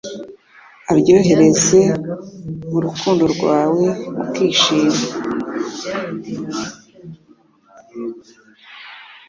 aryohereze urukundo rwawe mukishima